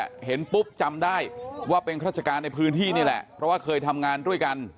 เห็นปุ๊บจำได้ว่าเป็นราชการในพื้นที่นี่แหละเพราะว่าเคยทำงานด้วยกัน